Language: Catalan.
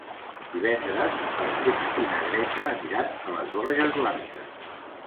Divendres na Farners i na Greta aniran a les Borges Blanques.